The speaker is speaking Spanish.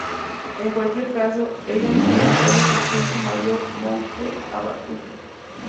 En cualquier caso, ella envió entonces a su hijo mayor Möngke a Batu.